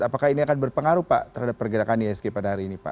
apakah ini akan berpengaruh pak terhadap pergerakan isg pada hari ini pak